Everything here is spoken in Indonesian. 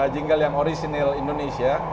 jingle yang original indonesia